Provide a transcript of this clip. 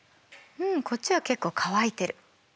うんこっちは結構乾いてる。